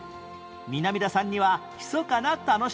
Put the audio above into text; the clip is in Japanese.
南田さんにはひそかな楽しみが